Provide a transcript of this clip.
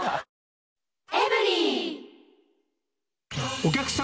お客さん